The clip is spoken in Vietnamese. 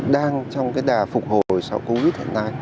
đang trong cái đà phục hồi sau covid hiện nay